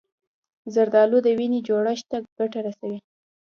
زردالو د وینې جوړښت ته ګټه رسوي.